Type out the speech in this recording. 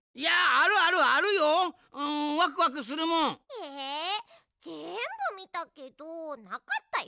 えぜんぶみたけどなかったよ。